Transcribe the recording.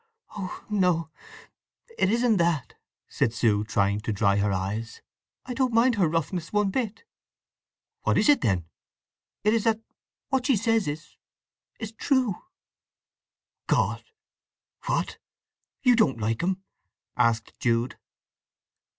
"Oh no—it isn't that!" said Sue, trying to dry her eyes. "I don't mind her roughness one bit." "What is it, then?" "It is that what she says is—is true!" "God—what—you don't like him?" asked Jude.